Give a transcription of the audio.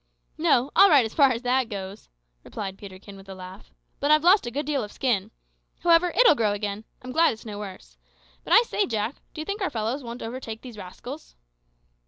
"No; all right as far as that goes," replied Peterkin within a laugh; "but I've lost a good deal of skin. However, it'll grow again. I'm glad it's no worse. But I say, Jack, do you think our fellows won't overtake these rascals?"